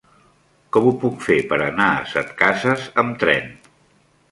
Com ho puc fer per anar a Setcases amb tren?